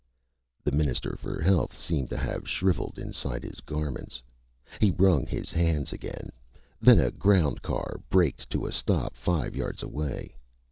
The Minister for Health seemed to have shriveled inside his garments. He wrung his hands again. Then a ground car braked to a stop five yards away.